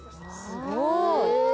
・すごい。